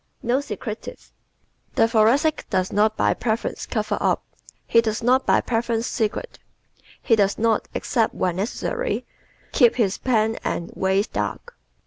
Not Secretive ¶ The Thoracic does not by preference cover up; he does not by preference secrete; he does not, except when necessary, keep his plans and ways dark.